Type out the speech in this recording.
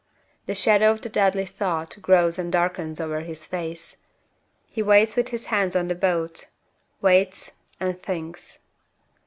The shadow of the deadly thought grows and darkens over his face. He waits with his hands on the boat waits and thinks.